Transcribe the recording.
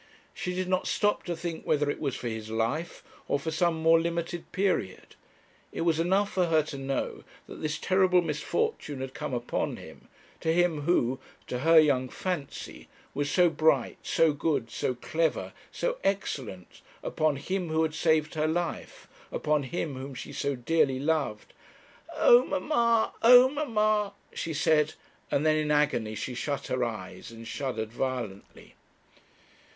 She did not stop to think whether it was for his life, or for some more limited period. It was enough for her to know, that this terrible misfortune had come upon him, to him who, to her young fancy, was so bright, so good, so clever, so excellent, upon him who had saved her life upon him whom she so dearly loved. 'Oh, mamma! oh, mamma!' she said, and then in agony she shut her eyes and shuddered violently.